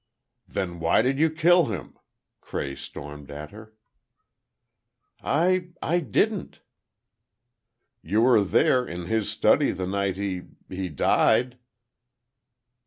"Then why did you kill him?" Cray stormed at her. "I—I didn't." "You were there, in his study the night he—he died."